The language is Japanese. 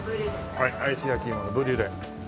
はいアイスやきいものブリュレ。